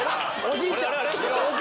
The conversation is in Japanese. おじいちゃん！